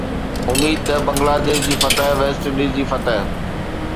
اميد ته بنگلاديش جي فتح، ويسٽ انڊيز جي فتح